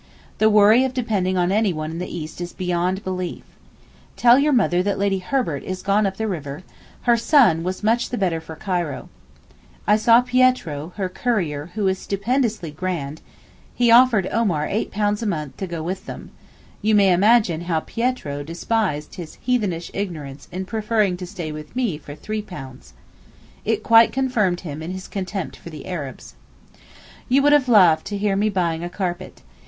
The worry of depending on anyone in the East is beyond belief. Tell your mother that Lady Herbert is gone up the river; her son was much the better for Cairo. I saw Pietro, her courier, who is stupendously grand, he offered Omar £8 a month to go with them; you may imagine how Pietro despised his heathenish ignorance in preferring to stay with me for £3. It quite confirmed him in his contempt for the Arabs. You would have laughed to hear me buying a carpet.